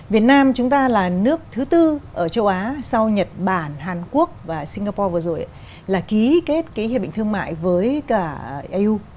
việt nam chúng ta là nước thứ tư ở châu á sau nhật bản hàn quốc và singapore vừa rồi là ký kết cái hiệp định thương mại với cả eu